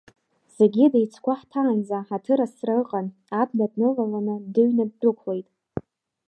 Зегьы деицгәаҳҭаанӡа аҭырасра ыҟан, абна дылаланы дыҩны ддәықәлеит.